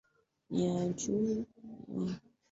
ya juu kabisa ya utendaji wa serikali matara